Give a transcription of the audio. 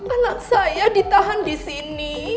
anak saya ditahan disini